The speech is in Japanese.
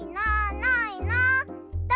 ないなあ